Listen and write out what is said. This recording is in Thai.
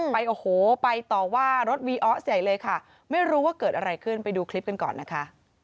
ไปโอ้โหไปต่อว่ารถวีออสใหญ่เลยค่ะไม่รู้ว่าเกิดอะไรขึ้นไปดูคลิปกันก่อนนะคะ